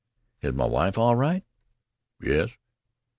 "Is my wife all right?" "Yes."